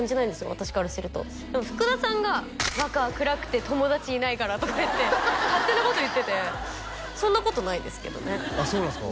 私からするとでも福田さんが「若は暗くて友達いないから」とか言って勝手なこと言っててそんなことないですけどねあっそうなんですか